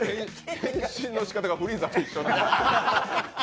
変身のしかたがフリーザと一緒。